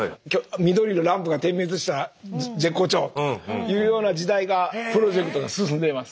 緑のランプが点滅したら絶好調とかいうような時代がプロジェクトが進んでいます。